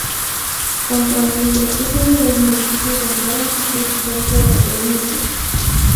Contramaestre es uno de los municipios de menor altitud dentro de la provincia.